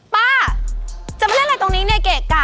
ป้าจะมาเล่นอะไรตรงนี้เนี่ยเกะกะ